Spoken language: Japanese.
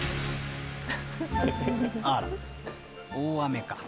［あらっ大雨か］